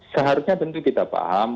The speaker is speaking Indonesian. seharusnya tentu kita paham